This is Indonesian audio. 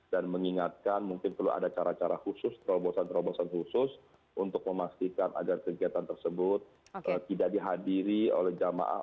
dan mengingatkan mungkin perlu ada cara cara khusus terobosan terobosan khusus untuk memastikan agar kegiatan tersebut tidak dihadiri oleh jamaah